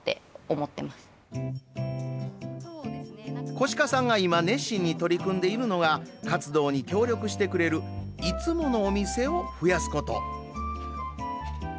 小鹿さんが今熱心に取り組んでいるのが活動に協力してくれるいつものお店を増やすこと。